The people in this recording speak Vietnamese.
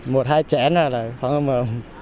một hai chén là phang không ạ